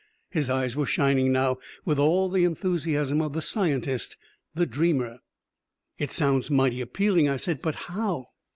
His eyes were shining now with all the enthusiasm of the scientist, the dreamer. "It sounds mighty appealing," I said. "But how...."